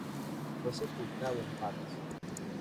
Fue sepultado en Parras.